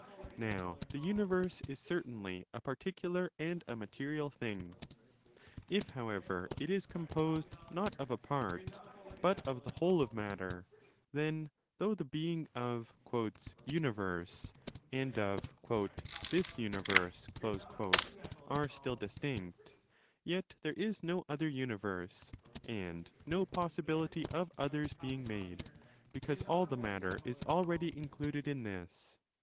2 Now the universe is certainly a particular and a material thing: if however it is composed not of a part but of the whole of matter, then though the being 5 of 'universe' and of 'this universe' are still distinct, yet there is no other universe, and no possibility of others being made, because all the matter is already included in this.